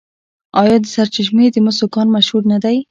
آیا د سرچشمې د مسو کان مشهور نه دی؟